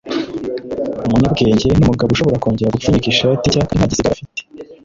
umunyabwenge numugabo ushobora kongera gupfunyika ishati nshya kandi ntagisigara afite.